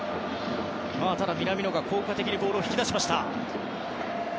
ただ、南野が効果的にボールを引き出しました。